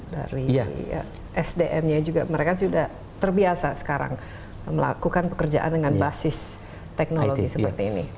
dari sdm nya juga mereka sudah terbiasa sekarang melakukan pekerjaan dengan basis teknologi seperti ini